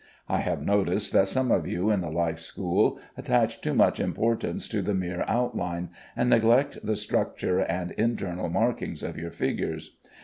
I have noticed that some of you in the life school attach too much importance to the mere outline, and neglect the structure and internal markings of your figures.